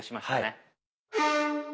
はい。